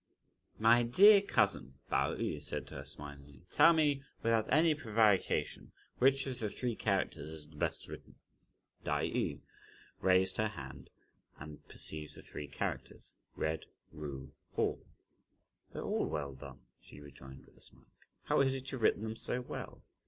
"My dear cousin," Pao yü said to her smilingly, "tell me without any prevarication which of the three characters is the best written?" Tai yü raised her head and perceived the three characters: Red, Rue, Hall. "They're all well done," she rejoined, with a smirk, "How is it you've written them so well?